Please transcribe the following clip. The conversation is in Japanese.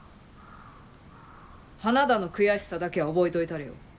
花田の悔しさだけは覚えといたれよ。